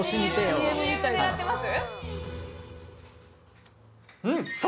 ＣＭ狙ってます？